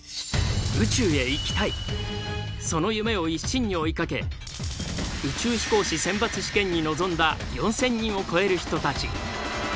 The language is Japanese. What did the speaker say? その夢を一心に追いかけ宇宙飛行士選抜試験に臨んだ４，０００人を超える人たち。